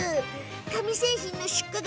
紙製品の出荷額